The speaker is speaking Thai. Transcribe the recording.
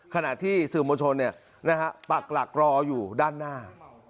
ขณะที่สื่อมโมชนเนี่ยนะฮะปากหลักรออยู่ด้านหน้า